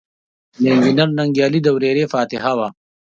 د انجنیر ننګیالي د ورېرې فاتحه وه.